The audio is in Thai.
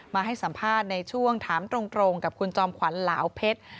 มาให้สัมภาษณ์ในช่วงถามตรงกับคุณจอมขวัญเหลาเพชร